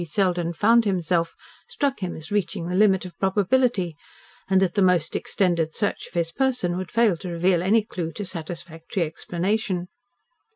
Selden found himself struck him as reaching the limit of probability, and that the most extended search of his person would fail to reveal any clue to satisfactory explanation.